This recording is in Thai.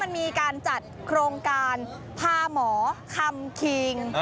มีการจัดโครงการพาหมอคำคิง